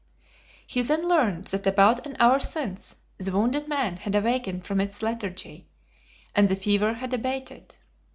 He then learned that about an hour since, the wounded man had awakened from his lethargy, and the fever had abated.